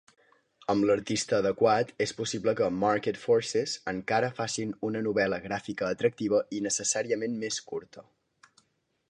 Amb l'artista adequat, és possible que "Market Forces" encara facin una novel·la gràfica atractiva i necessàriament més curta.